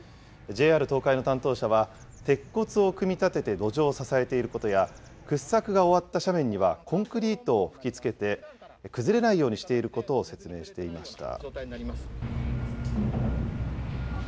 ＪＲ東海の担当者は、鉄骨を組み立てて土壌を支えていることや、掘削が終わった斜面にはコンクリートを吹きつけて、崩れないようにしていることを説明していました。